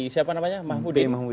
siapa namanya mahmudi